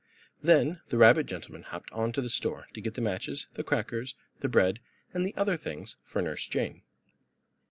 Then the rabbit gentleman hopped on to the store, to get the matches, the crackers, the bread and other things for Nurse Jane.